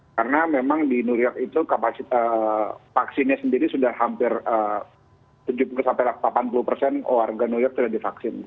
karena memang di new york itu kapasitas vaksinnya sendiri sudah hampir tujuh puluh delapan puluh persen warga new york sudah divaksin